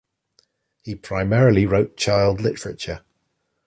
He primarily wrote child literature.